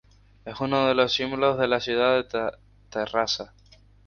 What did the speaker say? Es uno de los símbolos de la ciudad de Terrassa.